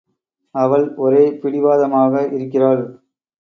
அவள் ஒரே பிடிவாதமாக இருக்கிறாள்.